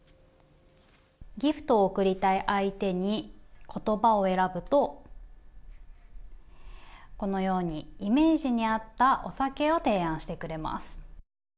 ギフトを贈りたい相手に言葉を選ぶとこのようにイメージに合ったお酒を提案してくれます。